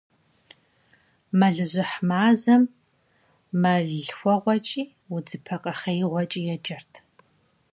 Мэлыжьыхь мазэм мэллъхуэгъуэкӀи удзыпэ къэхъеигъуэкӀи еджэрт.